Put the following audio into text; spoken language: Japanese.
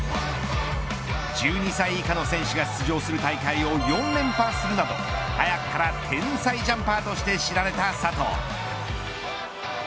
１２歳以下の選手が出場する大会を４連覇するなど早くから天才ジャンパーとして知られた佐藤。